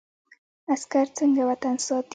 عسکر څنګه وطن ساتي؟